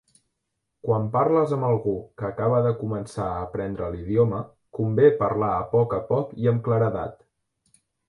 Quan parles amb algú que acaba de començar a aprendre l'idioma, convé parlar a poc a poc i amb claredat.